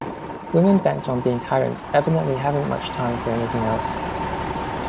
Women bent on being tyrants evidently haven't much time for anything else.